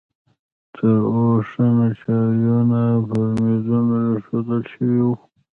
تور او شنه چایونه پر میزونو ایښودل شوي وو.